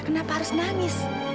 kenapa harus nangis